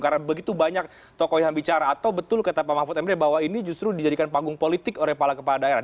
karena begitu banyak tokoh yang bicara atau betul kata pak mahfud md bahwa ini justru dijadikan panggung politik oleh kepala daerah